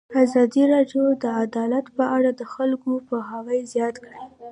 ازادي راډیو د عدالت په اړه د خلکو پوهاوی زیات کړی.